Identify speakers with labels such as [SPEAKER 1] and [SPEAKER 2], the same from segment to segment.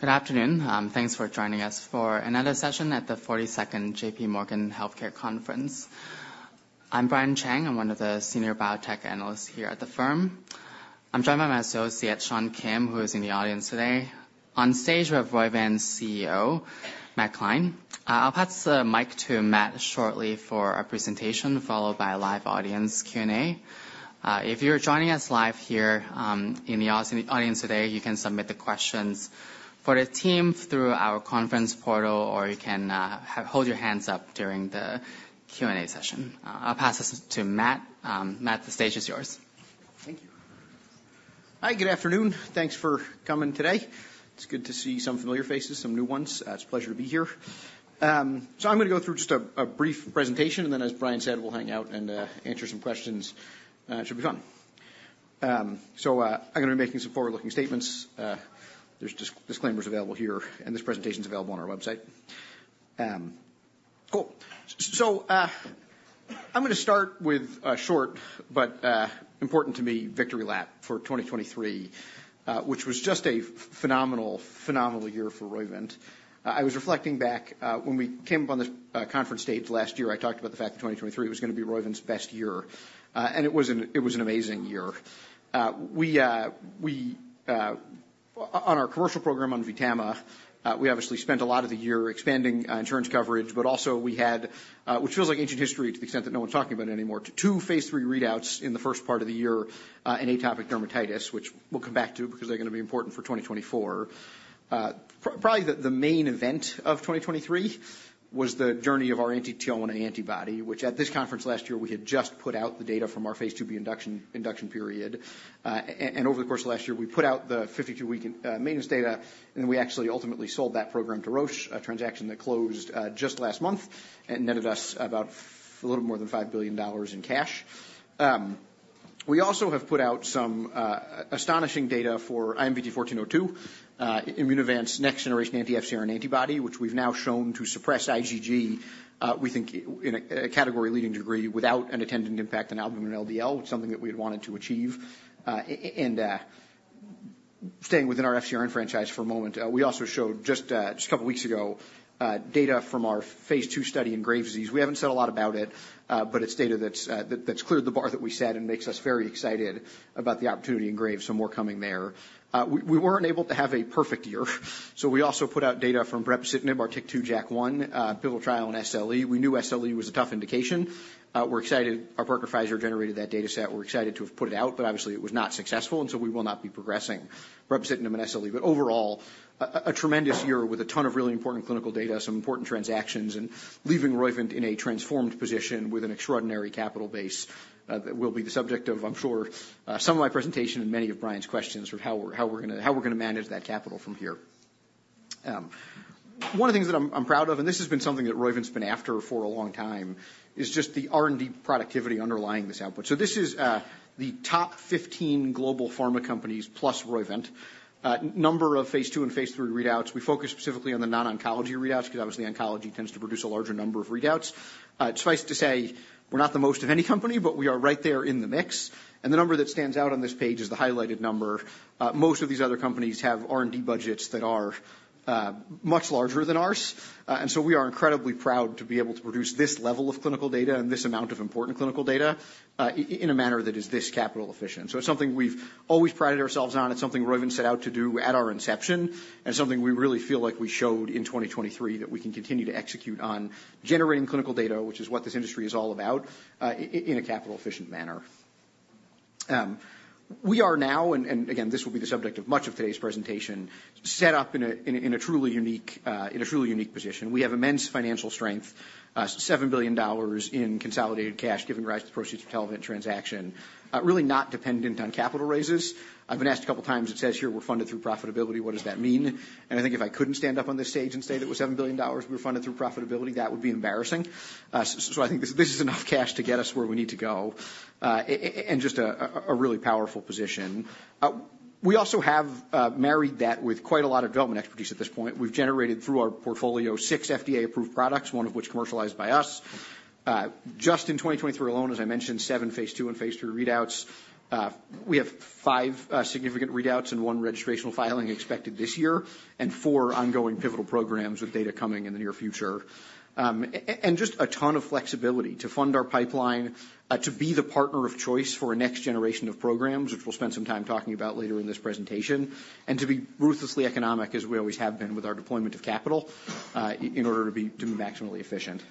[SPEAKER 1] Good afternoon. Thanks for joining us for another session at the 42nd J.P. Morgan Healthcare Conference. I'm Brian Cheng, I'm one of the senior biotech analysts here at the firm. I'm joined by my associate, Sean Kim, who is in the audience today. On stage, we have Roivant's CEO, Matt Gline. I'll pass the mic to Matt shortly for a presentation, followed by a live audience Q&A. If you're joining us live here, in the audience today, you can submit the questions for the team through our conference portal, or you can, hold your hands up during the Q&A session. I'll pass this to Matt. Matt, the stage is yours.
[SPEAKER 2] Thank you. Hi, good afternoon. Thanks for coming today. It's good to see some familiar faces, some new ones. It's a pleasure to be here. So I'm gonna go through just a brief presentation, and then, as Brian said, we'll hang out and answer some questions. Should be fun. So I'm gonna be making some forward-looking statements. There's disclaimers available here, and this presentation is available on our website. Cool. So I'm gonna start with a short but important to me, victory lap for 2023, which was just a phenomenal, phenomenal year for Roivant. I was reflecting back when we came up on this conference stage last year, I talked about the fact that 2023 was gonna be Roivant's best year. And it was an amazing year. On our commercial program on VTAMA, we obviously spent a lot of the year expanding insurance coverage, but also we had, which feels like ancient history to the extent that no one's talking about it anymore, two phase III readouts in the first part of the year in atopic dermatitis, which we'll come back to because they're gonna be important for 2024. Probably the main event of 2023 was the journey of our anti-TL1A antibody, which at this conference last year, we had just put out the data from our phase IIb induction period. And over the course of last year, we put out the 52-week maintenance data, and we actually ultimately sold that program to Roche, a transaction that closed just last month, and netted us about a little more than $5 billion in cash. We also have put out some astonishing data for IMVT-1402, Immunovant's next-generation anti-FcRn antibody, which we've now shown to suppress IgG, we think in a category-leading degree without an attendant impact on albumin and LDL, something that we had wanted to achieve. And staying within our FcRn franchise for a moment, we also showed just a couple of weeks ago data from our phase II study in Graves' disease. We haven't said a lot about it, but it's data that's cleared the bar that we set and makes us very excited about the opportunity in Graves'. So more coming there. We weren't able to have a perfect year, so we also put out data from Brepocitinib, our TYK2/JAK1 pivotal trial in SLE. We knew SLE was a tough indication. We're excited. Our partner, Pfizer, generated that data set. We're excited to have put it out, but obviously it was not successful, and so we will not be progressing Brepocitinib in SLE. But overall, a tremendous year with a ton of really important clinical data, some important transactions, and leaving Roivant in a transformed position with an extraordinary capital base that will be the subject of, I'm sure, some of my presentation and many of Brian's questions of how we're gonna manage that capital from here. One of the things that I'm proud of, and this has been something that Roivant's been after for a long time, is just the R&D productivity underlying this output. So this is the top 15 global pharma companies plus Roivant. Number of phase II and phase III readouts. We focus specifically on the non-oncology readouts, because obviously, oncology tends to produce a larger number of readouts. Suffice to say, we're not the most of any company, but we are right there in the mix, and the number that stands out on this page is the highlighted number. Most of these other companies have R&D budgets that are much larger than ours. And so we are incredibly proud to be able to produce this level of clinical data and this amount of important clinical data in a manner that is this capital efficient. So it's something we've always prided ourselves on. It's something Roivant set out to do at our inception, and something we really feel like we showed in 2023, that we can continue to execute on, generating clinical data, which is what this industry is all about in a capital-efficient manner. We are now and again, this will be the subject of much of today's presentation, set up in a truly unique position. We have immense financial strength, $7 billion in consolidated cash, given rise to the proceeds from Telavant transaction, really not dependent on capital raises. I've been asked a couple times, it says here we're funded through profitability. What does that mean? And I think if I couldn't stand up on this stage and say that with $7 billion, we're funded through profitability, that would be embarrassing. So I think this is enough cash to get us where we need to go, and just a really powerful position. We also have married that with quite a lot of development expertise at this point. We've generated, through our portfolio, six FDA approved products, one of which commercialized by us. Just in 2023 alone, as I mentioned, seven phase II and phase III readouts. We have five significant readouts and one registrational filing expected this year, and four ongoing pivotal programs with data coming in the near future. And just a ton of flexibility to fund our pipeline, to be the partner of choice for a next generation of programs, which we'll spend some time talking about later in this presentation, and to be ruthlessly economic, as we always have been with our deployment of capital, in order to be, to be maximally efficient.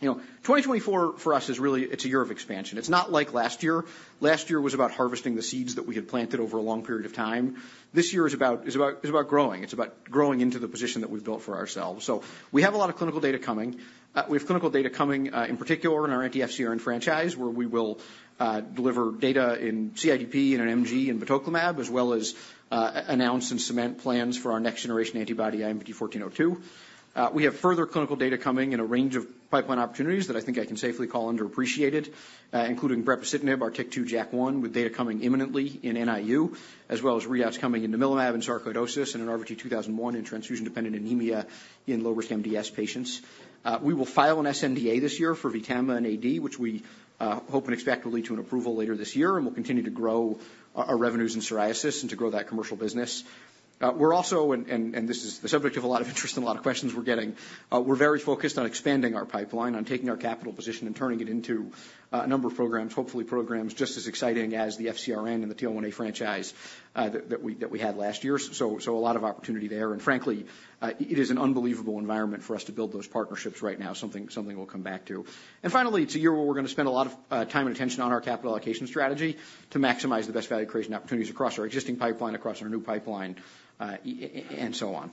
[SPEAKER 2] You know, 2024 for us is really... It's a year of expansion. It's not like last year. Last year was about harvesting the seeds that we had planted over a long period of time. This year is about growing. It's about growing into the position that we've built for ourselves. So we have a lot of clinical data coming. We have clinical data coming in particular in our anti-FcRn franchise, where we will deliver data in CIDP, in an MG, and Batoclimab, as well as announce and cement plans for our next-generation antibody, IMVT-1402. We have further clinical data coming in a range of pipeline opportunities that I think I can safely call underappreciated, including Brepocitinib, our TYK2/JAK1, with data coming imminently in NIU, as well as readouts coming in namilumab and sarcoidosis, and in RVT-2001, in transfusion-dependent anemia in low-risk MDS patients. We will file an sNDA this year for VTAMA and AD, which we hope and expect will lead to an approval later this year, and we'll continue to grow our revenues in psoriasis and to grow that commercial business. We're also, this is the subject of a lot of interest and a lot of questions we're getting, we're very focused on expanding our pipeline, on taking our capital position and turning it into a number of programs, hopefully programs just as exciting as the FcRn and the TL1A franchise, that we had last year. So a lot of opportunity there. And frankly, it is an unbelievable environment for us to build those partnerships right now, we'll come back to. And finally, it's a year where we're gonna spend a lot of time and attention on our capital allocation strategy to maximize the best value creation opportunities across our existing pipeline, across our new pipeline, and so on...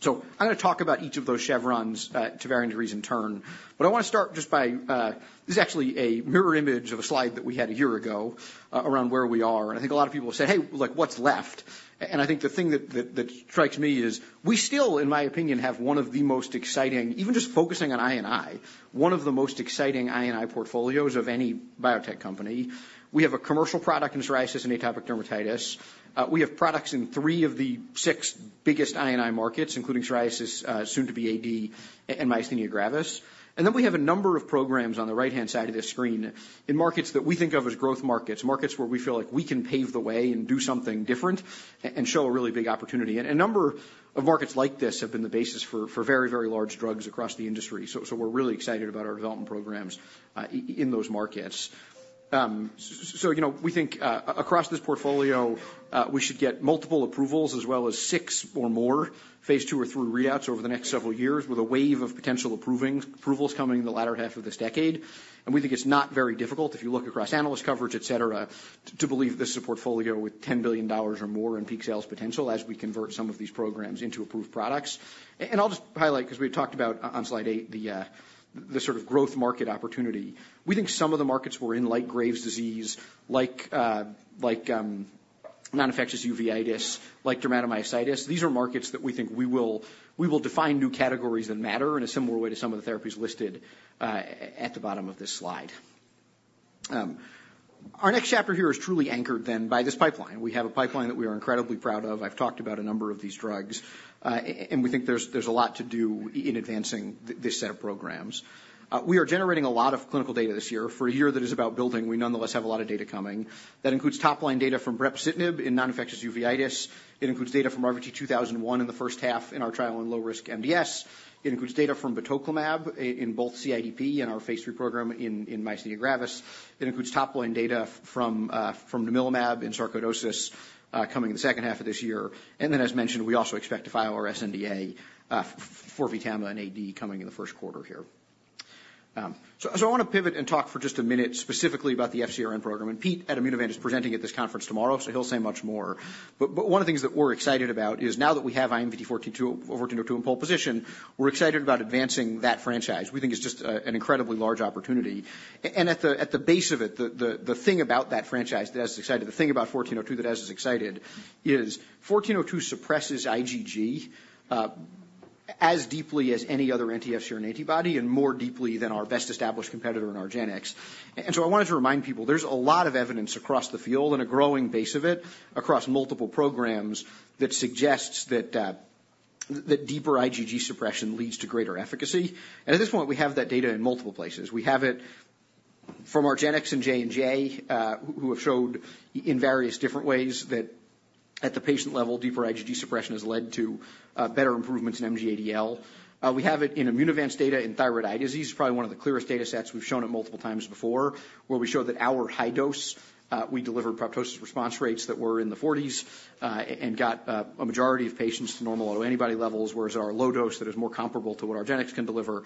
[SPEAKER 2] So I'm gonna talk about each of those chevrons to varying degrees in turn. But I wanna start just by this is actually a mirror image of a slide that we had a year ago around where we are. And I think a lot of people will say, "Hey, look what's left?" And I think the thing that strikes me is we still, in my opinion, have one of the most exciting, even just focusing on INI, one of the most exciting INI portfolios of any biotech company. We have a commercial product in psoriasis and atopic dermatitis. We have products in three of the six biggest INI markets, including psoriasis, soon-to-be AD, and myasthenia gravis. Then we have a number of programs on the right-hand side of this screen, in markets that we think of as growth markets. Markets where we feel like we can pave the way and do something different, and show a really big opportunity. A number of markets like this have been the basis for very, very large drugs across the industry. So we're really excited about our development programs in those markets. So, you know, we think across this portfolio we should get multiple approvals, as well as six or more phase II or III readouts over the next several years, with a wave of potential approvals coming in the latter half of this decade. And we think it's not very difficult, if you look across analyst coverage, et cetera, to believe this is a portfolio with $10 billion or more in peak sales potential, as we convert some of these programs into approved products. And I'll just highlight, because we talked about on slide 8, the sort of growth market opportunity. We think some of the markets we're in, like Graves' Disease, like Non-Infectious Uveitis, like Dermatomyositis, these are markets that we think we will define new categories that matter in a similar way to some of the therapies listed at the bottom of this slide. Our next chapter here is truly anchored then by this pipeline. We have a pipeline that we are incredibly proud of. I've talked about a number of these drugs, and we think there's a lot to do in advancing this set of programs. We are generating a lot of clinical data this year. For a year that is about building, we nonetheless have a lot of data coming. That includes top-line data from brepocitinib in non-infectious uveitis. It includes data from RVT-2001 in the first half in our trial in low-risk MDS. It includes data from batoclimab in both CIDP and our phase III program in myasthenia gravis. It includes top-line data from namilumab in sarcoidosis coming in the second half of this year. And then, as mentioned, we also expect to file our sNDA for VTAMA and AD coming in the first quarter here. So I want to pivot and talk for just a minute, specifically about the FcRn program, and Pete at Immunovant is presenting at this conference tomorrow, so he'll say much more. But one of the things that we're excited about is now that we have IMVT-1402, 1402 in pole position, we're excited about advancing that franchise. We think it's just an incredibly large opportunity. And at the base of it, the thing about that franchise that has us excited, the thing about 1402 that has us excited is 1402 suppresses IgG as deeply as any other anti-FcRn antibody and more deeply than our best-established competitor in argenx. I wanted to remind people, there's a lot of evidence across the field and a growing base of it, across multiple programs, that suggests that deeper IgG suppression leads to greater efficacy. At this point, we have that data in multiple places. We have it from argenx and J&J, who have showed in various different ways that at the patient level, deeper IgG suppression has led to better improvements in MG-ADL. We have it in Immunovant data in thyroid eye disease, probably one of the clearest data sets. We've shown it multiple times before, where we show that our high dose, we delivered apoptosis response rates that were in the 40s, and got a majority of patients to normal autoantibody levels, whereas our low dose, that is more comparable to what argenx can deliver,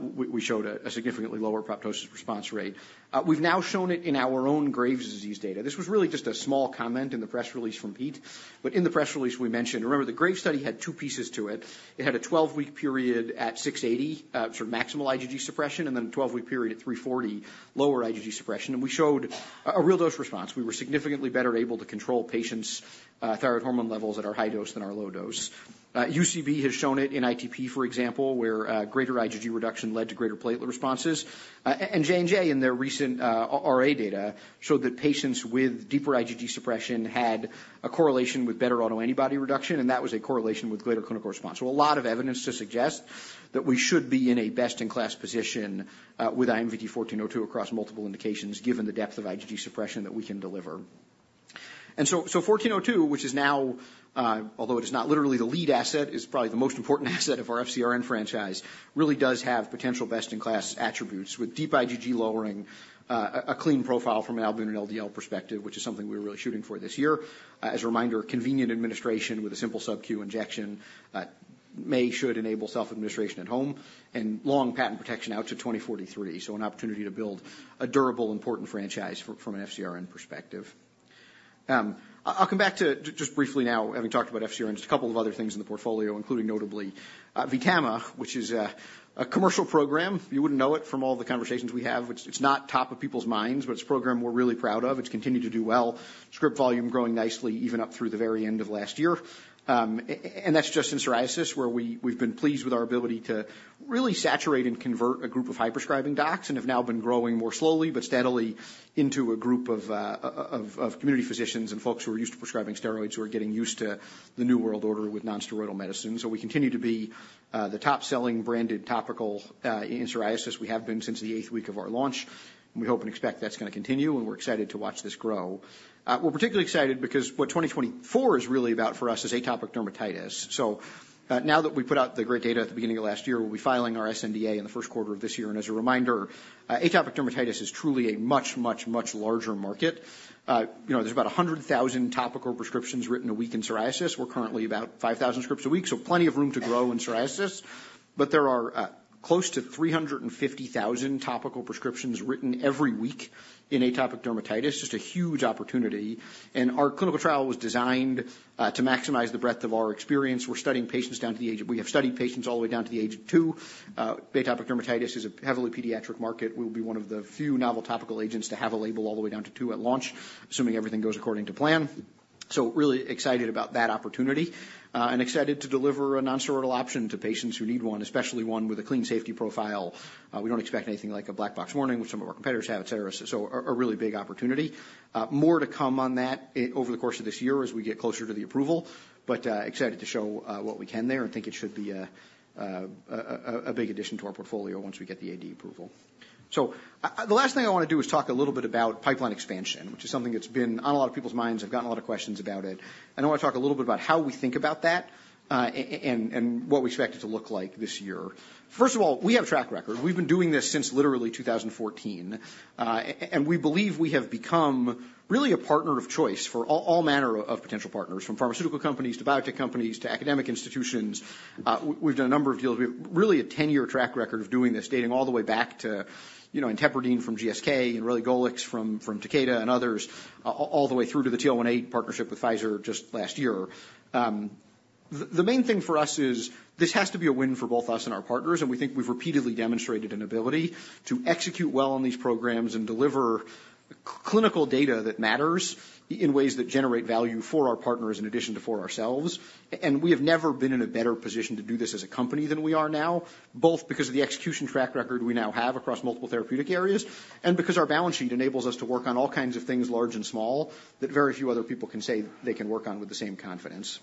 [SPEAKER 2] we showed a significantly lower apoptosis response rate. We've now shown it in our own Graves' Disease data. This was really just a small comment in the press release from Pete, but in the press release, we mentioned... Remember, the Graves' study had two pieces to it. It had a 12-week period at 680, sort of maximal IgG suppression, and then a 12-week period at 340, lower IgG suppression. And we showed a real dose response. We were significantly better able to control patients' thyroid hormone levels at our high dose than our low dose. UCB has shown it in ITP, for example, where greater IgG reduction led to greater platelet responses. And J&J, in their recent RA data, showed that patients with deeper IgG suppression had a correlation with better autoantibody reduction, and that was a correlation with greater clinical response. So a lot of evidence to suggest that we should be in a best-in-class position with IMVT-1402 across multiple indications, given the depth of IgG suppression that we can deliver. And so, 1402, which is now, although it is not literally the lead asset, is probably the most important asset of our FcRn franchise, really does have potential best-in-class attributes with deep IgG lowering, a clean profile from an albumin and LDL perspective, which is something we're really shooting for this year. As a reminder, convenient administration with a simple subQ injection, should enable self-administration at home and long patent protection out to 2043. So an opportunity to build a durable, important franchise from an FcRn perspective. I'll come back to just briefly now, having talked about FcRn, just a couple of other things in the portfolio, including notably, VTAMA, which is a commercial program. You wouldn't know it from all the conversations we have. It's not top of people's minds, but it's a program we're really proud of. It's continued to do well, script volume growing nicely, even up through the very end of last year. And that's just in psoriasis, where we, we've been pleased with our ability to really saturate and convert a group of high-prescribing docs and have now been growing more slowly but steadily into a group of of community physicians and folks who are used to prescribing steroids, who are getting used to the new world order with non-steroidal medicine. So we continue to be the top-selling branded topical in psoriasis. We have been since the eighth week of our launch, and we hope and expect that's gonna continue, and we're excited to watch this grow. We're particularly excited because what 2024 is really about for us is atopic dermatitis. So, now that we've put out the great data at the beginning of last year, we'll be filing our sNDA in the first quarter of this year. And as a reminder, atopic dermatitis is truly a much, much, much larger market. You know, there's about 100,000 topical prescriptions written a week in psoriasis. We're currently about 5,000 scripts a week, so plenty of room to grow in psoriasis. But there are close to 350,000 topical prescriptions written every week in atopic dermatitis. Just a huge opportunity. And our clinical trial was designed to maximize the breadth of our experience. We're studying patients down to the age of—we have studied patients all the way down to the age of 2. Atopic dermatitis is a heavily pediatric market. We'll be one of the few novel topical agents to have a label all the way down to 2 at launch, assuming everything goes according to plan. So really excited about that opportunity, and excited to deliver a nonsteroidal option to patients who need one, especially one with a clean safety profile. We don't expect anything like a black box warning, which some of our competitors have, et cetera, so a really big opportunity. More to come on that, over the course of this year as we get closer to the approval. But excited to show what we can there and think it should be a big addition to our portfolio once we get the AD approval. So, the last thing I want to do is talk a little bit about pipeline expansion, which is something that's been on a lot of people's minds. I've gotten a lot of questions about it, and I want to talk a little bit about how we think about that, and what we expect it to look like this year. First of all, we have a track record. We've been doing this since literally 2014, and we believe we have become really a partner of choice for all manner of potential partners, from pharmaceutical companies to biotech companies to academic institutions. We've done a number of deals. We have really a 10-year track record of doing this, dating all the way back to, you know, Intepirdine from GSK, and Relugolix from Takeda and others, all the way through to the TL1A partnership with Pfizer just last year. The main thing for us is this has to be a win for both us and our partners, and we think we've repeatedly demonstrated an ability to execute well on these programs and deliver clinical data that matters in ways that generate value for our partners, in addition to for ourselves. And we have never been in a better position to do this as a company than we are now, both because of the execution track record we now have across multiple therapeutic areas, and because our balance sheet enables us to work on all kinds of things, large and small, that very few other people can say they can work on with the same confidence.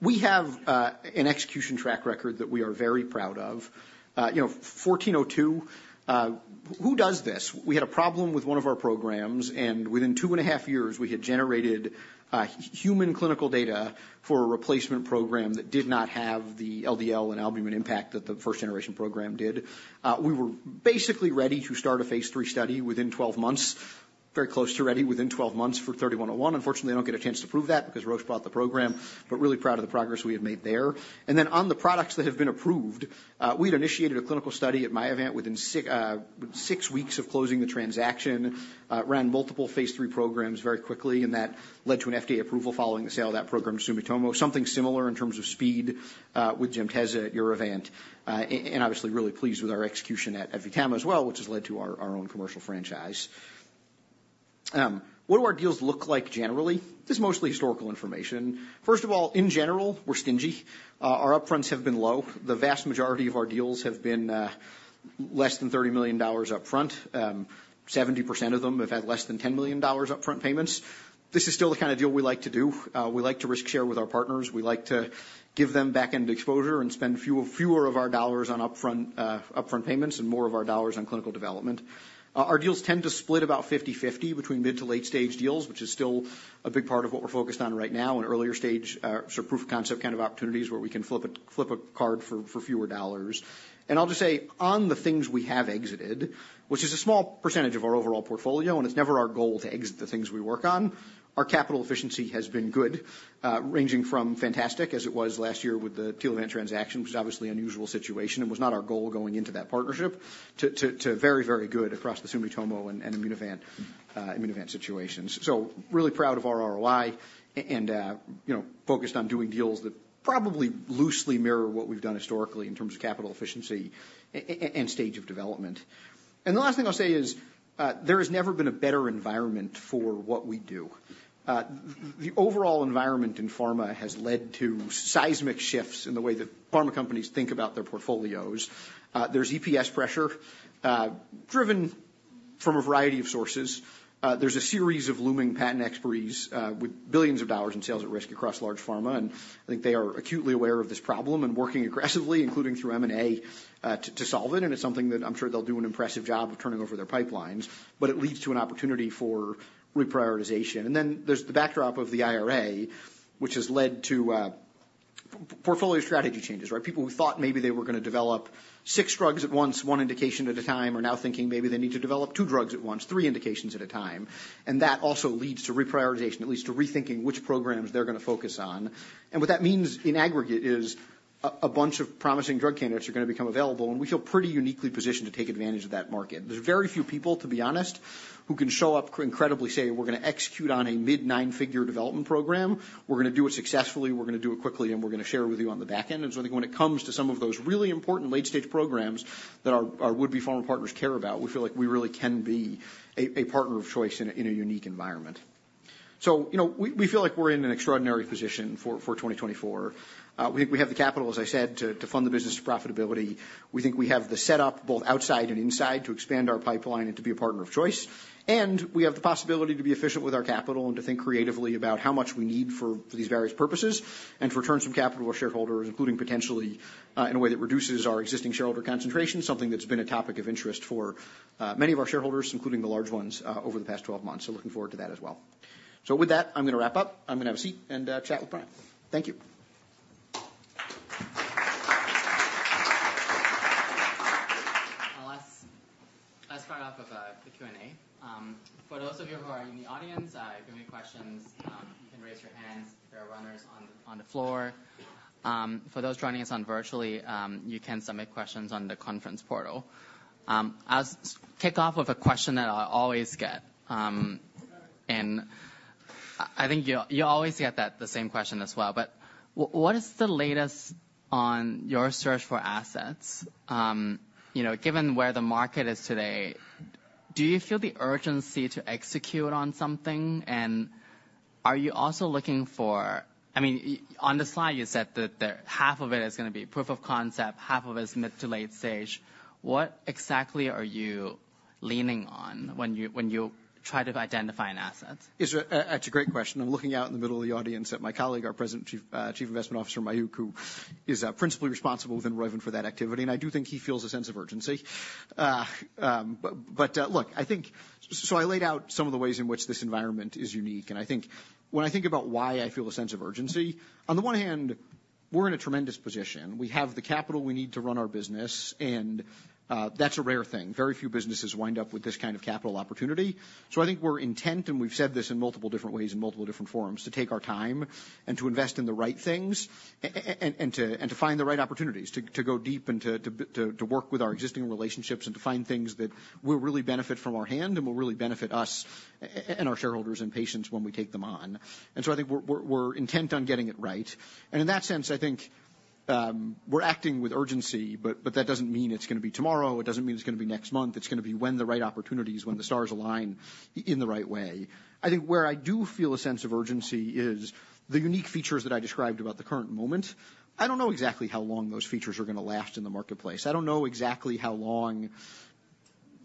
[SPEAKER 2] We have an execution track record that we are very proud of. You know, IMVT-1402, who does this? We had a problem with one of our programs, and within 2.5 years, we had generated human clinical data for a replacement program that did not have the LDL and albumin impact that the first-generation program did. We were basically ready to start a phase 3 study within 12 months, very close to ready within 12 months for TL1A. Unfortunately, I don't get a chance to prove that because Roche bought the program, but really proud of the progress we have made there. Then on the products that have been approved, we've initiated a clinical study at Myavant within 6 weeks of closing the transaction, ran multiple phase 3 programs very quickly, and that led to an FDA approval following the sale of that program to Sumitomo. Something similar in terms of speed with Gemtesa at Urovant, and obviously really pleased with our execution at VTAMA as well, which has led to our own commercial franchise. What do our deals look like generally? Just mostly historical information. First of all, in general, we're stingy. Our upfronts have been low. The vast majority of our deals have been less than $30 million upfront. 70% of them have had less than $10 million upfront payments. This is still the kind of deal we like to do. We like to risk share with our partners. We like to give them back-end exposure and spend fewer of our dollars on upfront payments and more of our dollars on clinical development. Our deals tend to split about 50/50 between mid- to late-stage deals, which is still a big part of what we're focused on right now, and earlier stage, so proof of concept kind of opportunities where we can flip a card for fewer dollars. And I'll just say, on the things we have exited, which is a small percentage of our overall portfolio, and it's never our goal to exit the things we work on, our capital efficiency has been good, ranging from fantastic as it was last year with the Telavant transaction, which is obviously an unusual situation, and was not our goal going into that partnership, to very, very good across the Sumitomo and Immunovant situations. So really proud of our ROI and, you know, focused on doing deals that probably loosely mirror what we've done historically in terms of capital efficiency and stage of development. And the last thing I'll say is, there has never been a better environment for what we do. The overall environment in pharma has led to seismic shifts in the way that pharma companies think about their portfolios. There's EPS pressure, driven from a variety of sources. There's a series of looming patent expiries, with billions of dollars in sales at risk across large pharma, and I think they are acutely aware of this problem and working aggressively, including through M&A, to solve it. And it's something that I'm sure they'll do an impressive job of turning over their pipelines, but it leads to an opportunity for reprioritization. And then there's the backdrop of the IRA, which has led to portfolio strategy changes, right? People who thought maybe they were gonna develop six drugs at once, one indication at a time, are now thinking maybe they need to develop two drugs at once, three indications at a time, and that also leads to reprioritization, at least to rethinking which programs they're gonna focus on. What that means in aggregate is a bunch of promising drug candidates are gonna become available, and we feel pretty uniquely positioned to take advantage of that market. There's very few people, to be honest, who can show up, incredibly say: "We're gonna execute on a mid-nine-figure development program. We're gonna do it successfully, we're gonna do it quickly, and we're gonna share with you on the back end." And so I think when it comes to some of those really important late-stage programs that our, our would-be pharma partners care about, we feel like we really can be a, a partner of choice in a, in a unique environment. So, you know, we, we feel like we're in an extraordinary position for 2024. We, we have the capital, as I said, to, to fund the business to profitability. We think we have the setup, both outside and inside, to expand our pipeline and to be a partner of choice. We have the possibility to be efficient with our capital and to think creatively about how much we need for these various purposes, and to return some capital to shareholders, including potentially in a way that reduces our existing shareholder concentration, something that's been a topic of interest for many of our shareholders, including the large ones, over the past 12 months. Looking forward to that as well. With that, I'm gonna wrap up. I'm gonna have a seat and chat with Brian. Thank you.
[SPEAKER 1] Let's start off with the Q&A. For those of you who are in the audience, if you have any questions, you can raise your hands. There are runners on the floor. For those joining us virtually, you can submit questions on the conference portal. I'll kick off with a question that I always get, and I think you always get the same question as well, but what is the latest on your search for assets? You know, given where the market is today, do you feel the urgency to execute on something? And are you also looking for—I mean, on the slide, you said that half of it is gonna be proof of concept, half of it is mid to late stage. What exactly are you leaning on when you try to identify an asset?
[SPEAKER 2] It's a, that's a great question. I'm looking out in the middle of the audience at my colleague, our President, Chief Investment Officer, Mayukh, who is, principally responsible within Roivant for that activity, and I do think he feels a sense of urgency. But, look, I think— So I laid out some of the ways in which this environment is unique, and I think when I think about why I feel a sense of urgency, on the one hand, we're in a tremendous position. We have the capital we need to run our business, and, that's a rare thing. Very few businesses wind up with this kind of capital opportunity. So I think we're intent, and we've said this in multiple different ways, in multiple different forums, to take our time and to invest in the right things and to find the right opportunities, to work with our existing relationships, and to find things that will really benefit from our hand and will really benefit us and our shareholders and patients when we take them on. And so I think we're intent on getting it right. And in that sense, I think we're acting with urgency, but that doesn't mean it's gonna be tomorrow. It doesn't mean it's gonna be next month. It's gonna be when the right opportunities, when the stars align in the right way. I think where I do feel a sense of urgency is the unique features that I described about the current moment. I don't know exactly how long those features are gonna last in the marketplace. I don't know exactly how long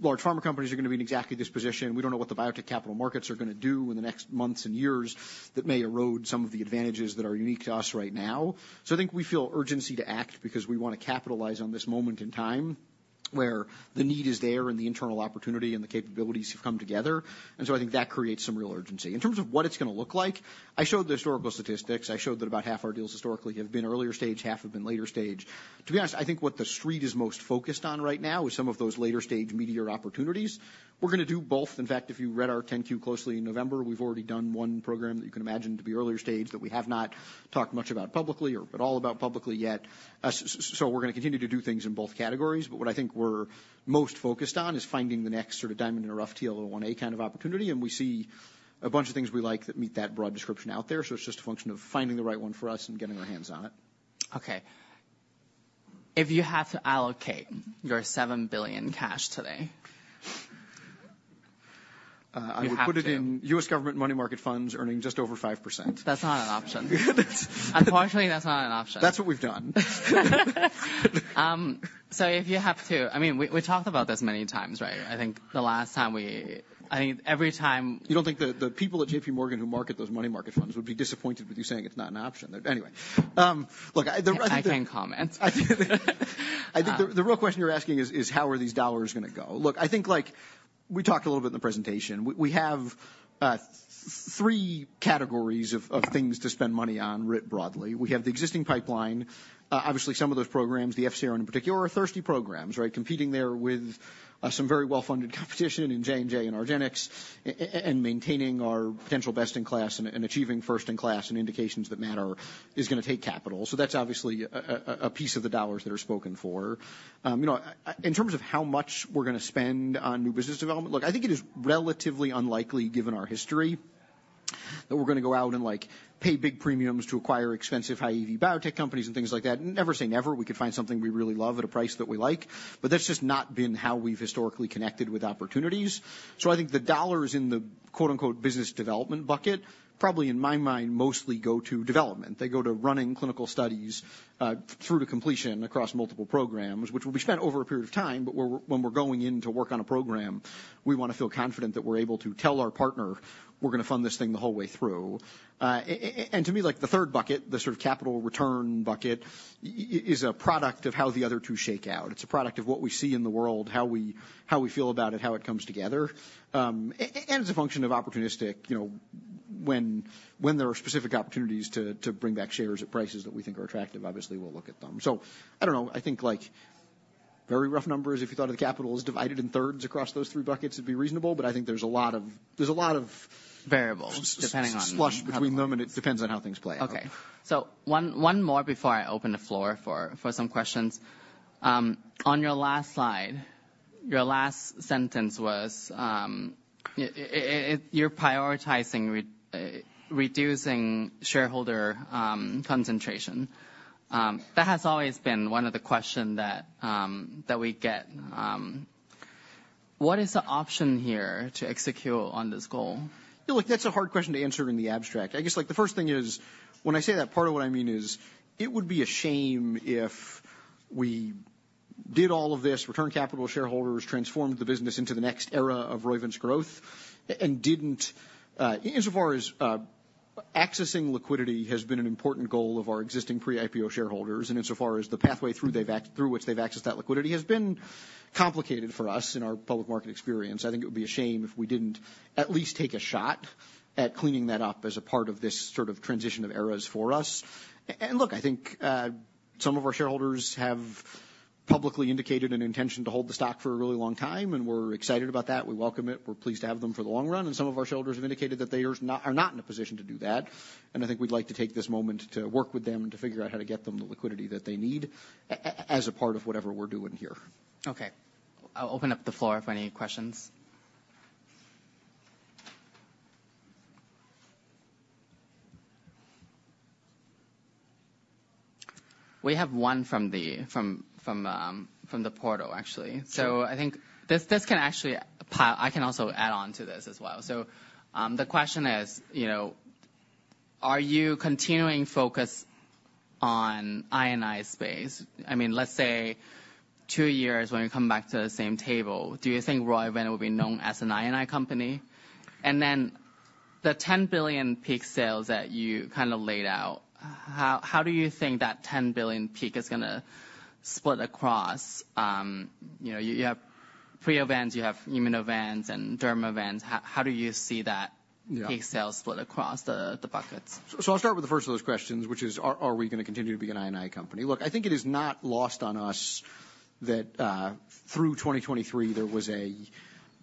[SPEAKER 2] large pharma companies are gonna be in exactly this position. We don't know what the biotech capital markets are gonna do in the next months and years that may erode some of the advantages that are unique to us right now. So I think we feel urgency to act because we wanna capitalize on this moment in time, where the need is there, and the internal opportunity and the capabilities have come together. So I think that creates some real urgency. In terms of what it's gonna look like, I showed the historical statistics. I showed that about half our deals historically have been earlier stage, half have been later stage. To be honest, I think what the Street is most focused on right now is some of those later-stage meteor opportunities. We're gonna do both. In fact, if you read our 10-Q closely in November, we've already done one program that you can imagine to be earlier stage that we have not talked much about publicly or at all about publicly yet. So we're gonna continue to do things in both categories, but what I think we're most focused on is finding the next sort of diamond-in-the-rough TL1A kind of opportunity, and we see a bunch of things we like that meet that broad description out there. So it's just a function of finding the right one for us and getting our hands on it.
[SPEAKER 1] Okay. If you have to allocate your $7 billion cash today?
[SPEAKER 2] I would-
[SPEAKER 1] You have to.
[SPEAKER 2] put it in U.S. government money market funds earning just over 5%.
[SPEAKER 1] That's not an option.
[SPEAKER 2] That's-
[SPEAKER 1] Unfortunately, that's not an option.
[SPEAKER 2] That's what we've done.
[SPEAKER 1] So if you have to... I mean, we talked about this many times, right? I think the last time we—I think every time—
[SPEAKER 2] You don't think the people at J.P. Morgan who market those money market funds would be disappointed with you saying it's not an option? Anyway, look, I think the-
[SPEAKER 1] I can't comment.
[SPEAKER 2] I think the real question you're asking is: How are these dollars gonna go? Look, I think, like, we talked a little bit in the presentation, we have three categories of things to spend money on, writ broadly. We have the existing pipeline. Obviously, some of those programs, the FcRn in particular, are thirsty programs, right? Competing there with some very well-funded competition in J&J and argenx, and maintaining our potential best-in-class and achieving first-in-class in indications that matter is gonna take capital. So that's obviously a piece of the dollars that are spoken for. You know, in terms of how much we're gonna spend on new business development, look, I think it is relatively unlikely, given our history, that we're gonna go out and, like, pay big premiums to acquire expensive, high EV biotech companies and things like that. Never say never. We could find something we really love at a price that we like, but that's just not been how we've historically connected with opportunities. So I think the dollars in the, quote-unquote, business development bucket, probably, in my mind, mostly go to development. They go to running clinical studies through to completion across multiple programs, which will be spent over a period of time, but when we're going in to work on a program, we wanna feel confident that we're able to tell our partner we're gonna fund this thing the whole way through. And to me, like, the third bucket, the sort of capital return bucket, is a product of how the other two shake out. It's a product of what we see in the world, how we feel about it, how it comes together, and it's a function of opportunistic, you know, when there are specific opportunities to bring back shares at prices that we think are attractive, obviously, we'll look at them. So I don't know. I think, like, very rough numbers, if you thought of the capital, is divided in thirds across those three buckets, it'd be reasonable, but I think there's a lot of-
[SPEAKER 1] Variables, depending on-
[SPEAKER 2] Slush between them, and it depends on how things play out.
[SPEAKER 1] Okay. So one more before I open the floor for some questions. On your last slide, your last sentence was, "You're prioritizing reducing shareholder concentration." That has always been one of the questions that we get. What is the option here to execute on this goal?
[SPEAKER 2] Yeah, look, that's a hard question to answer in the abstract. I guess, like, the first thing is, when I say that, part of what I mean is, it would be a shame if we did all of this, return capital to shareholders, transformed the business into the next era of Roivant's growth, and didn't. Insofar as accessing liquidity has been an important goal of our existing pre-IPO shareholders, and insofar as the pathway through which they've accessed that liquidity has been complicated for us in our public market experience. I think it would be a shame if we didn't at least take a shot at cleaning that up as a part of this sort of transition of eras for us. Look, I think some of our shareholders have publicly indicated an intention to hold the stock for a really long time, and we're excited about that. We welcome it. We're pleased to have them for the long run, and some of our shareholders have indicated that they are not in a position to do that, and I think we'd like to take this moment to work with them and to figure out how to get them the liquidity that they need as a part of whatever we're doing here.
[SPEAKER 1] Okay. I'll open up the floor for any questions... We have one from the portal, actually. So I think this can actually pile on. I can also add on to this as well. So, the question is, you know, are you continuing focus on I and I space? I mean, let's say two years when we come back to the same table, do you think Roivant will be known as an I and I company? And then the $10 billion peak sales that you kind of laid out, how do you think that $10 billion peak is gonna split across? You know, you have Priovant, you have Immunovant and Dermavants. How do you see that?
[SPEAKER 2] Yeah.
[SPEAKER 1] peak sales split across the buckets?
[SPEAKER 2] So I'll start with the first of those questions, which is, are we going to continue to be an I and I company? Look, I think it is not lost on us that, through 2023 there was a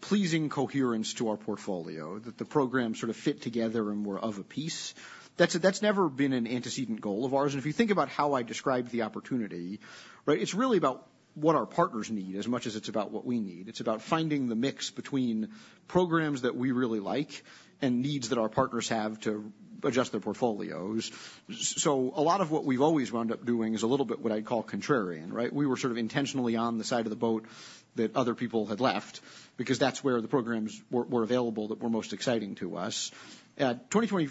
[SPEAKER 2] pleasing coherence to our portfolio, that the programs sort of fit together and were of a piece. That's never been an antecedent goal of ours. And if you think about how I described the opportunity, right, it's really about what our partners need as much as it's about what we need. It's about finding the mix between programs that we really like and needs that our partners have to adjust their portfolios. So a lot of what we've always wound up doing is a little bit what I'd call contrarian, right? We were sort of intentionally on the side of the boat that other people had left, because that's where the programs were available that were most exciting to us. 2023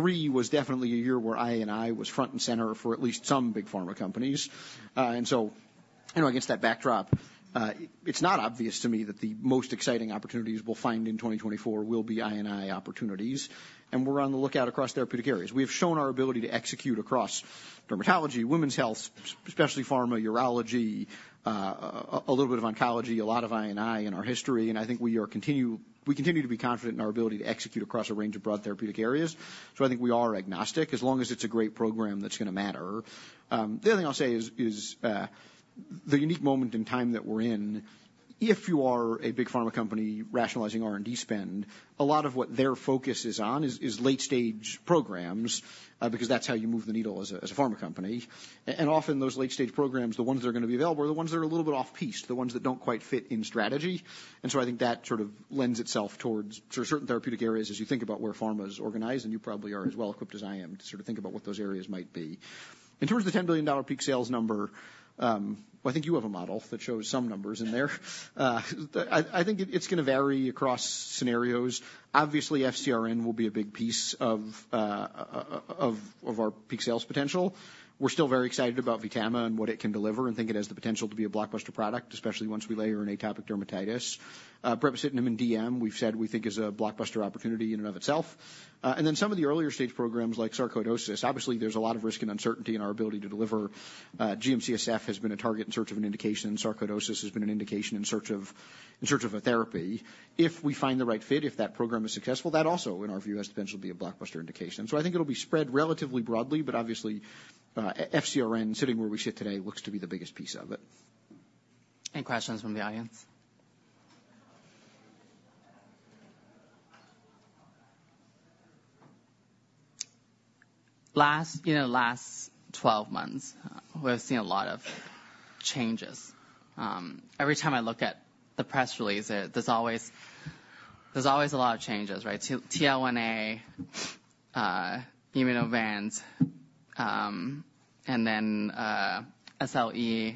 [SPEAKER 2] was definitely a year where I&I was front and center for at least some big pharma companies. And so, you know, against that backdrop, it's not obvious to me that the most exciting opportunities we'll find in 2024 will be I&I opportunities, and we're on the lookout across therapeutic areas. We have shown our ability to execute across dermatology, women's health, especially pharma, urology, a little bit of oncology, a lot of I&I in our history, and I think we continue to be confident in our ability to execute across a range of broad therapeutic areas. So I think we are agnostic, as long as it's a great program that's going to matter. The other thing I'll say is the unique moment in time that we're in, if you are a big pharma company rationalizing R&D spend, a lot of what their focus is on is late stage programs, because that's how you move the needle as a pharma company. And often those late stage programs, the ones that are going to be available are the ones that are a little bit off piece, the ones that don't quite fit in strategy. And so I think that sort of lends itself towards certain therapeutic areas as you think about where pharma is organized, and you probably are as well equipped as I am to sort of think about what those areas might be. In terms of the $10 billion peak sales number, I think you have a model that shows some numbers in there. I think it's going to vary across scenarios. Obviously, FcRn will be a big piece of of our peak sales potential. We're still very excited about VTAMA and what it can deliver, and think it has the potential to be a blockbuster product, especially once we layer in atopic dermatitis. Brepocitinib in DM, we've said we think is a blockbuster opportunity in and of itself. And then some of the earlier stage programs, like sarcoidosis, obviously there's a lot of risk and uncertainty in our ability to deliver. GM-CSF has been a target in search of an indication, sarcoidosis has been an indication in search of a therapy. If we find the right fit, if that program is successful, that also, in our view, has potential to be a blockbuster indication. So I think it'll be spread relatively broadly, but obviously, FcRn, sitting where we sit today, looks to be the biggest piece of it.
[SPEAKER 1] Any questions from the audience? Last, you know, last 12 months, we've seen a lot of changes. Every time I look at the press release, there's always a lot of changes, right? TL1A, Immunovant, and then, SLE.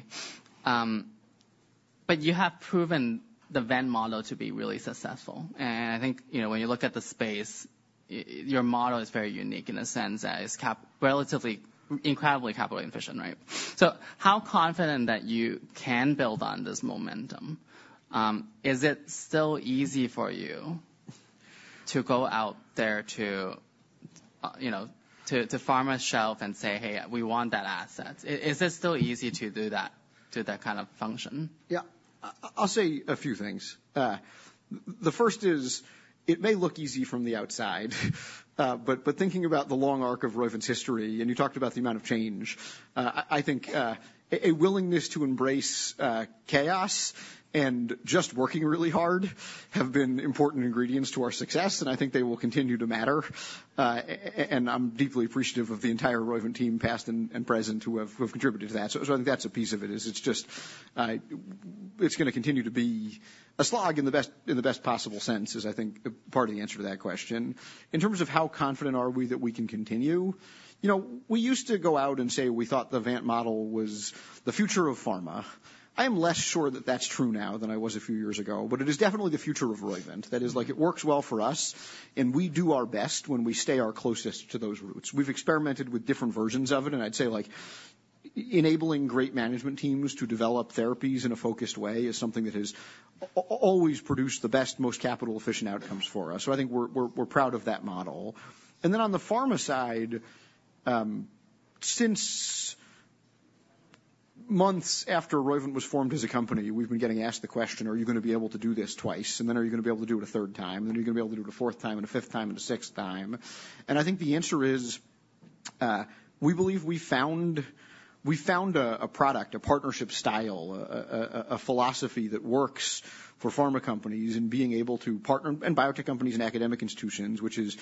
[SPEAKER 1] But you have proven the VANT model to be really successful. And I think, you know, when you look at the space, your model is very unique in the sense that it's relatively incredibly capital efficient, right? So how confident that you can build on this momentum, is it still easy for you to go out there to, you know, to pharma shelf and say, "Hey, we want that asset?" Is it still easy to do that kind of function?
[SPEAKER 2] Yeah. I'll say a few things. The first is, it may look easy from the outside, but, but thinking about the long arc of Roivant's history, and you talked about the amount of change, I think, a willingness to embrace chaos and just working really hard have been important ingredients to our success, and I think they will continue to matter. And I'm deeply appreciative of the entire Roivant team, past and present, who have contributed to that. So I think that's a piece of it, is it's just... It's going to continue to be a slog in the best possible sense, is, I think, part of the answer to that question. In terms of how confident are we that we can continue, you know, we used to go out and say we thought the Vant model was the future of pharma. I am less sure that that's true now than I was a few years ago, but it is definitely the future of Roivant. That is, like, it works well for us, and we do our best when we stay our closest to those roots. We've experimented with different versions of it, and I'd say, like, enabling great management teams to develop therapies in a focused way is something that has always produced the best, most capital-efficient outcomes for us. So I think we're proud of that model. And then on the pharma side, since months after Roivant was formed as a company, we've been getting asked the question: Are you going to be able to do this twice? And then, are you going to be able to do it a third time? Then, are you going to be able to do it a fourth time, and a fifth time, and a sixth time? And I think the answer is, we believe we found a product, a partnership style, a philosophy that works for pharma companies and being able to partner... and biotech companies and academic institutions, which is-...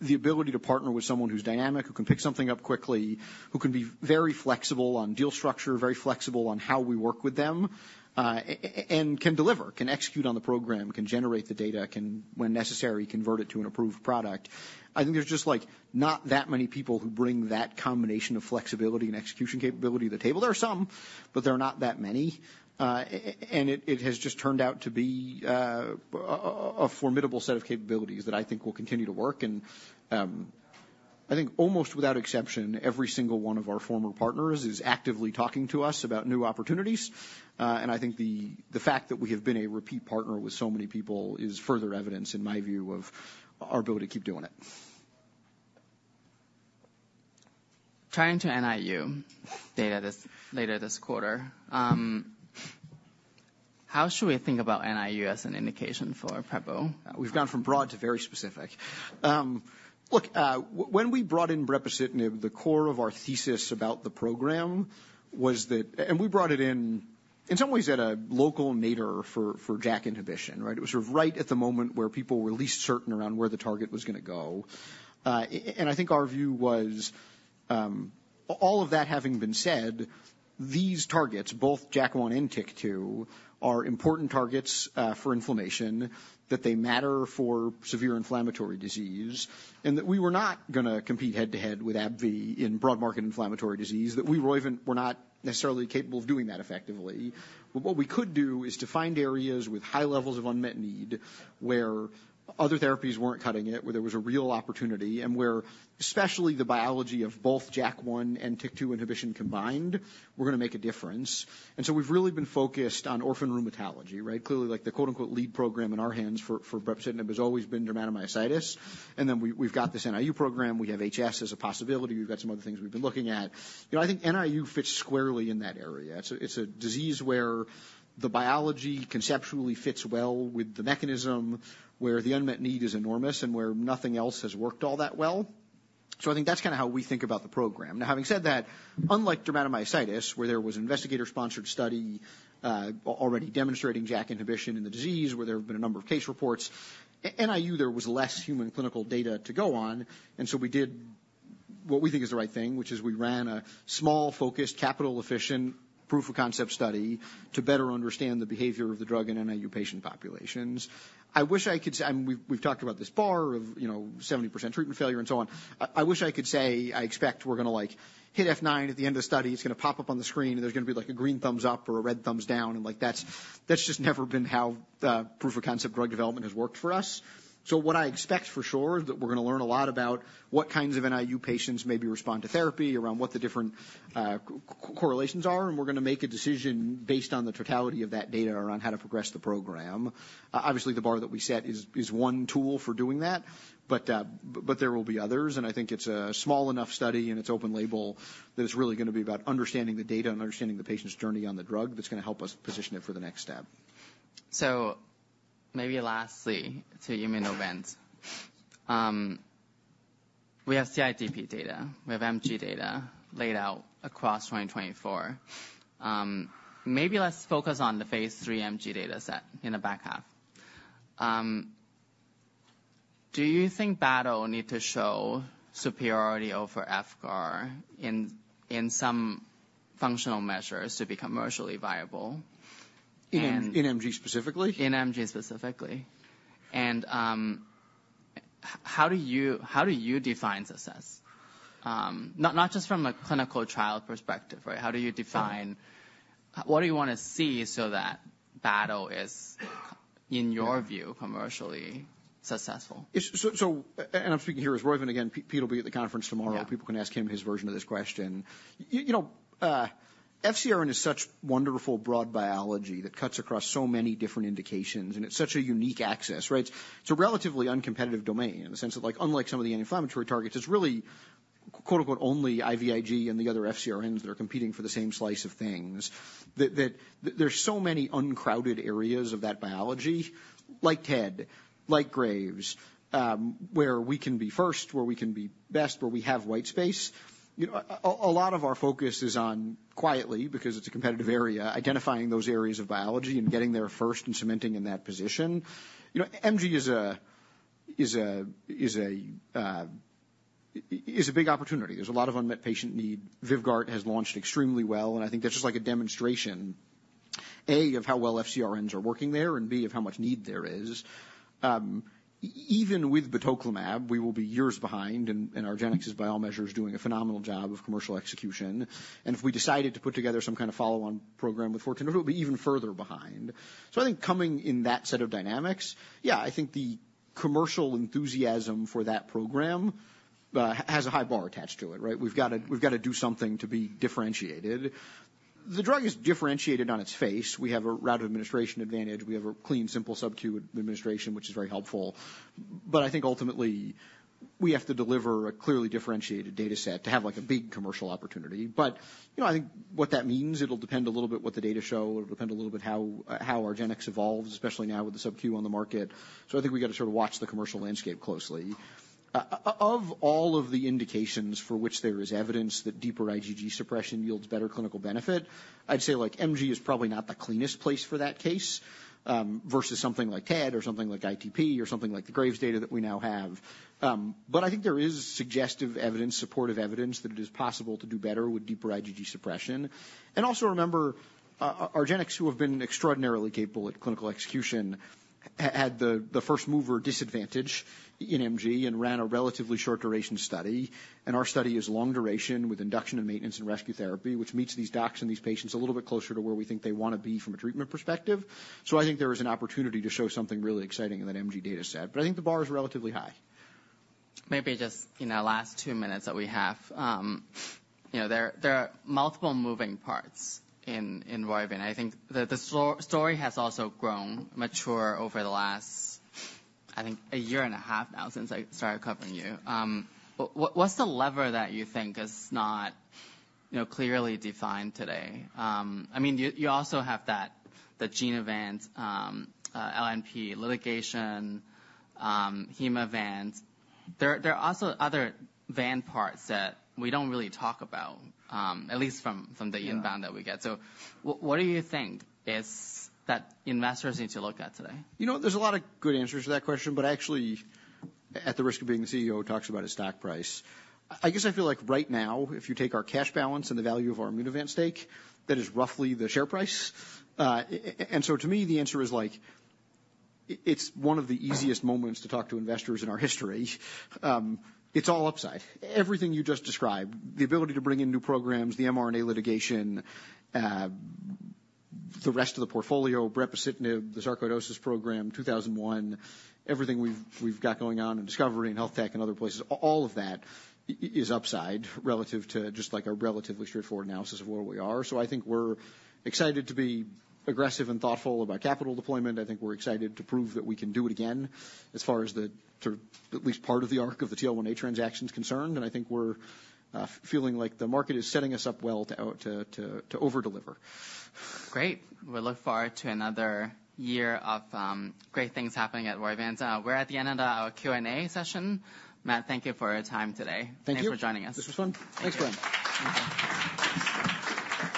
[SPEAKER 2] The ability to partner with someone who's dynamic, who can pick something up quickly, who can be very flexible on deal structure, very flexible on how we work with them, and can deliver, can execute on the program, can generate the data, can, when necessary, convert it to an approved product. I think there's just, like, not that many people who bring that combination of flexibility and execution capability to the table. There are some, but there are not that many. And it, it has just turned out to be a formidable set of capabilities that I think will continue to work. And I think almost without exception, every single one of our former partners is actively talking to us about new opportunities. And I think the fact that we have been a repeat partner with so many people is further evidence, in my view, of our ability to keep doing it.
[SPEAKER 1] Turning to NIU data later this quarter, how should we think about NIU as an indication for brepocitinib?
[SPEAKER 2] We've gone from broad to very specific. Look, when we brought in brepocitinib, the core of our thesis about the program was that... And we brought it in, in some ways, at a local nadir for JAK inhibition, right? It was sort of right at the moment where people were least certain around where the target was going to go. And I think our view was, all of that having been said, these targets, both JAK1 and TYK2, are important targets for inflammation, that they matter for severe inflammatory disease, and that we were not going to compete head-to-head with AbbVie in broad market inflammatory disease, that we were even were not necessarily capable of doing that effectively. But what we could do is to find areas with high levels of unmet need, where other therapies weren't cutting it, where there was a real opportunity, and where, especially the biology of both JAK1 and TYK2 inhibition combined, were going to make a difference. And so we've really been focused on orphan rheumatology, right? Clearly, like the quote-unquote, lead program in our hands for brepocitinib has always been dermatomyositis, and then we, we've got this NIU program, we have HS as a possibility. We've got some other things we've been looking at. You know, I think NIU fits squarely in that area. It's a, it's a disease where the biology conceptually fits well with the mechanism, where the unmet need is enormous, and where nothing else has worked all that well. So I think that's kind of how we think about the program. Now, having said that, unlike dermatomyositis, where there was investigator-sponsored study already demonstrating JAK inhibition in the disease, where there have been a number of case reports, NIU, there was less human clinical data to go on, and so we did what we think is the right thing, which is we ran a small, focused, capital-efficient proof of concept study to better understand the behavior of the drug in NIU patient populations. I wish I could say, and we've, we've talked about this bar of, you know, 70% treatment failure and so on. I wish I could say, I expect we're going to, like, hit F9 at the end of the study. It's going to pop up on the screen, and there's going to be, like, a green thumbs up or a red thumbs down, and, like, that's just never been how the proof of concept drug development has worked for us. So what I expect for sure is that we're going to learn a lot about what kinds of NIU patients maybe respond to therapy, around what the different correlations are, and we're going to make a decision based on the totality of that data around how to progress the program. Obviously, the bar that we set is one tool for doing that, but there will be others, and I think it's a small enough study, and it's open label, that it's really going to be about understanding the data and understanding the patient's journey on the drug that's going to help us position it for the next step.
[SPEAKER 1] So maybe lastly, to Immunovant, we have ITP data, we have MG data laid out across 2024. Maybe let's focus on the phase 3 MG data set in the back half. Do you think batoclimab need to show superiority over Vyvgart in, in some functional measures to be commercially viable? And-
[SPEAKER 2] In MG, specifically?
[SPEAKER 1] In MG, specifically. How do you, how do you define success? Not just from a clinical trial perspective, right? How do you define-
[SPEAKER 2] Sure.
[SPEAKER 1] What do you want to see so that Batoclimab is, in your view, commercially successful?
[SPEAKER 2] So, I'm speaking here as Roivant again. Pete will be at the conference tomorrow.
[SPEAKER 1] Yeah.
[SPEAKER 2] People can ask him his version of this question. You know, FcRn is such wonderful broad biology that cuts across so many different indications, and it's such a unique access, right? It's a relatively uncompetitive domain in the sense of, like, unlike some of the inflammatory targets, it's really, quote-unquote, only IVIG and the other FcRns that are competing for the same slice of things. That, that, there's so many uncrowded areas of that biology, like TED, like Graves', where we can be first, where we can be best, where we have white space. You know, a lot of our focus is on quietly, because it's a competitive area, identifying those areas of biology and getting there first and cementing in that position. You know, MG is a big opportunity. There's a lot of unmet patient need. Vyvgart has launched extremely well, and I think that's just like a demonstration, A, of how well FcRns are working there, and B, of how much need there is. Even with batoclimab, we will be years behind, and argenx is, by all measures, doing a phenomenal job of commercial execution. And if we decided to put together some kind of follow-on program with 1402, it will be even further behind. So I think coming in that set of dynamics, yeah, I think the commercial enthusiasm for that program has a high bar attached to it, right? We've got to, we've got to do something to be differentiated. The drug is differentiated on its face. We have a route of administration advantage. We have a clean, simple subQ administration, which is very helpful. But I think ultimately, we have to deliver a clearly differentiated data set to have, like, a big commercial opportunity. But, you know, I think what that means, it'll depend a little bit what the data show. It'll depend a little bit how, how argenx evolves, especially now with the subQ on the market. So I think we've got to sort of watch the commercial landscape closely. Of all of the indications for which there is evidence that deeper IgG suppression yields better clinical benefit, I'd say, like, MG is probably not the cleanest place for that case, versus something like TED or something like ITP or something like the Graves' data that we now have. But I think there is suggestive evidence, supportive evidence, that it is possible to do better with deeper IgG suppression. Also remember, argenx, who have been extraordinarily capable at clinical execution, had the first-mover disadvantage in MG and ran a relatively short duration study. Our study is long duration with induction and maintenance and rescue therapy, which meets these docs and these patients a little bit closer to where we think they wanna be from a treatment perspective. So I think there is an opportunity to show something really exciting in that MG data set, but I think the bar is relatively high.
[SPEAKER 1] Maybe just in the last two minutes that we have, you know, there are multiple moving parts in Roivant. I think the story has also grown mature over the last, I think, a year and a half now, since I started covering you. What, what's the lever that you think is not, you know, clearly defined today? I mean, you also have that, the Genevant LNP litigation, Hemavant. There are also other vant parts that we don't really talk about, at least from the inbound-
[SPEAKER 2] Yeah
[SPEAKER 1] -that we get. So what, what do you think is... that investors need to look at today?
[SPEAKER 2] You know, there's a lot of good answers to that question, but actually, at the risk of being the CEO who talks about his stock price, I guess I feel like right now, if you take our cash balance and the value of our Immunovant stake, that is roughly the share price. And so to me, the answer is, like, it's one of the easiest moments to talk to investors in our history. It's all upside. Everything you just described, the ability to bring in new programs, the mRNA litigation, the rest of the portfolio, brepocitinib, the sarcoidosis program, RVT-2001, everything we've got going on in discovery and health tech and other places, all of that is upside relative to just, like, a relatively straightforward analysis of where we are. So I think we're excited to be aggressive and thoughtful about capital deployment. I think we're excited to prove that we can do it again, as far as the sort of at least part of the arc of the TL1A transaction is concerned, and I think we're feeling like the market is setting us up well to overdeliver.
[SPEAKER 1] Great. We look forward to another year of great things happening at Roivant. We're at the end of our Q&A session. Matt, thank you for your time today.
[SPEAKER 2] Thank you.
[SPEAKER 1] Thanks for joining us.
[SPEAKER 2] This was fun. Thanks, Brian.